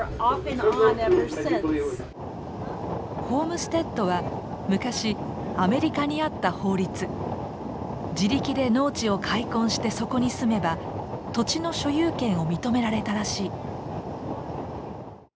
ホームステッドは昔アメリカにあった法律。自力で農地を開墾してそこに住めば土地の所有権を認められたらしい。